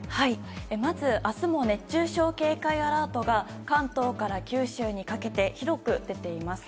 まず、明日も熱中症警戒アラートが関東から九州にかけて広く出ています。